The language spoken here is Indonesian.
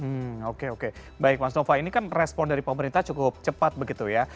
hmm oke oke baik mas nova ini kan respon dari pemerintah cukup cepat begitu ya